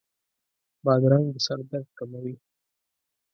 بادرنګ د سر درد کموي.